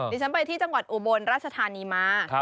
ดิฉันไปที่จังหวัดอุบลราชธานีมา